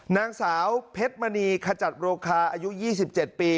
นางสาวเพชรมณีขจัดโรคาอายุ๒๗ปี